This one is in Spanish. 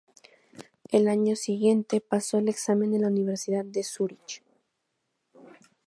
Al año siguiente pasó el examen en la Universidad de Zúrich.